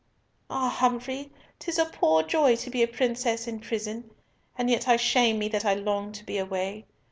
"Ah, Humfrey, 'tis a poor joy to be a princess in prison! And yet I shame me that I long to be away.